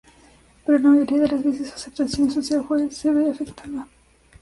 Pero la mayoría de las veces su aceptación social se ve afectada.